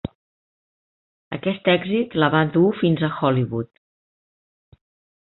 Aquest èxit la va dur fins a Hollywood.